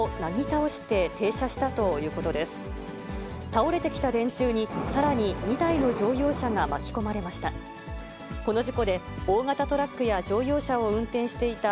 倒れてきた電柱に、さらに２台の乗用車が巻き込まれました。